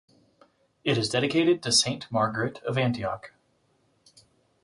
It is dedicated to St Margaret of Antioch.